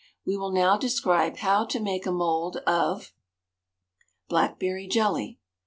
We will now describe how to make a mould of BLACKBERRY JELLY.